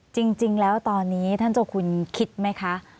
จริงแล้วตอนนี้ท่านเจ้าคุณคิดไหมคะ